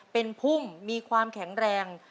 เป็นพุ่มมีความแข็งแรง